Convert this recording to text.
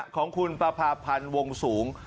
ของคุณประพาพันธ์วงสูง